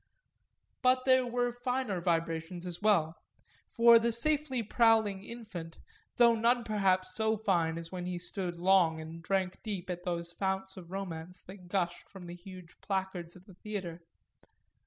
But there were finer vibrations as well for the safely prowling infant, though none perhaps so fine as when he stood long and drank deep at those founts of romance that gushed from the huge placards of the theatre.